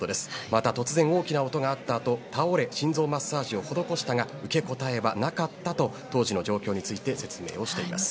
また、突然大きな音が鳴ったあと倒れ心臓マッサージを施したが受け答えはなかったと当時の状況について説明しています。